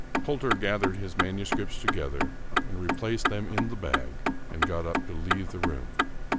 Poulter gathered his manuscripts together and replaced them in the bag, and got up to leave the room.